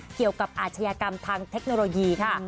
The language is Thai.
เกี่ยวกับอาชญากรรมทางเทคโนโลยีค่ะ